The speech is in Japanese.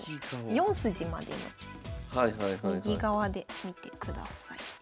４筋までの右側で見てください。